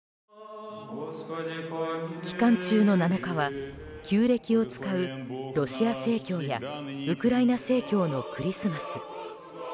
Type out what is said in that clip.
期間中の７日は旧暦を使うロシア正教やウクライナ正教のクリスマス。